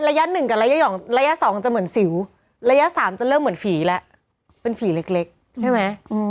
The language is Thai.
หนึ่งกับระยะ๒จะเหมือนสิวระยะ๓จะเริ่มเหมือนผีแล้วเป็นผีเล็กใช่ไหม